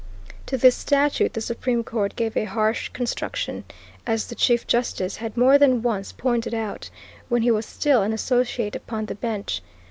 To this statute the Supreme Court gave a harsh construction, as the Chief Justice had more than once pointed out, when he was still an associate upon the bench.